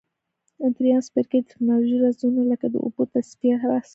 دریم څپرکی د تکنالوژۍ رازونه لکه د اوبو تصفیه بحث کوي.